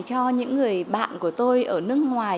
cho những người bạn của tôi ở nước ngoài